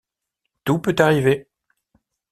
Tout peut arriver.